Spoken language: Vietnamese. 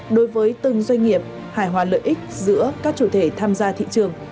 đối với từng doanh nghiệp hài hòa lợi ích giữa các chủ thể tham gia thị trường